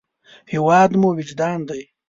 هېواد مو وجدان دی